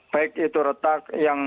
baik itu retak